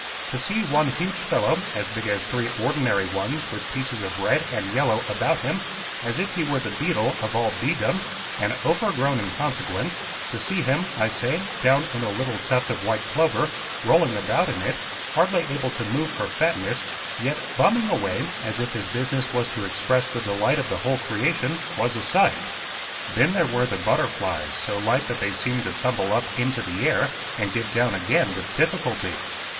To see one huge fellow, as big as three ordinary ones with pieces of red and yellow about him, as if he were the beadle of all bee dom, and overgrown in consequence to see him, I say, down in a little tuft of white clover, rolling about in it, hardly able to move for fatness, yet bumming away as if his business was to express the delight of the whole creation was a sight! Then there were the butterflies, so light that they seemed to tumble up into the air, and get down again with difficulty.